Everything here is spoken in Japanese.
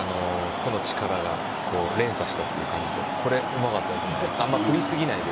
個の力が連鎖したという感じでこれうまかったですね。